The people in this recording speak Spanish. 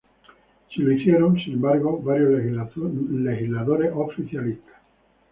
Sí lo hicieron, sin embargo, varios legisladores oficialistas.